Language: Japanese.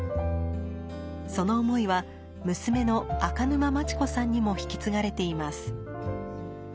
その思いは娘の赤沼真知子さんにも引き継がれています。